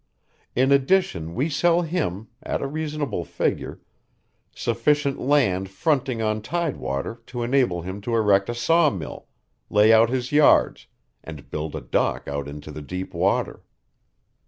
In addition we sell him, at a reasonable figure, sufficient land fronting on tidewater to enable him to erect a sawmill, lay out his yards, and build a dock out into the deep water.